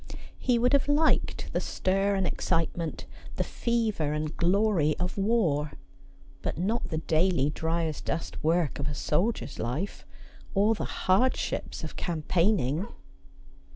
He would have liked the stir and excite ment, the fever and glory of war ; but not the daily drv as dust work of a soldier's life, or the hardships of campaigning.